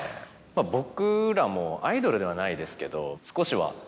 僕らもアイドルではないですけど。